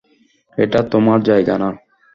এটা তোমার জায়গা না।